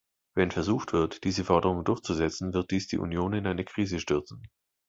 Wenn versucht wird, diese Forderung durchzusetzen, wird dies die Union in eine Krise stürzen.